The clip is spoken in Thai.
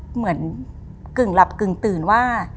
กึ่งหลับกึ่งตื่นว่า